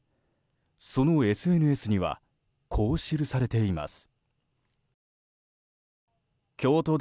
そのＳＮＳにはこう記されています。